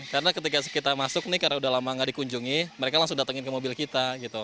karena ketika kita masuk nih karena udah lama gak dikunjungi mereka langsung datangin ke mobil kita gitu